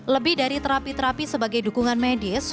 lebih dari terapi terapi sebagai dukungan medis